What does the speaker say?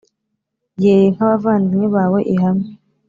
Yeee nk’abavandimwe bawe ihame